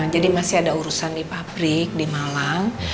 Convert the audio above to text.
jadi masih ada urusan di pabrik di malang